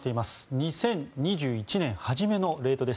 ２０２１年初めのレートです。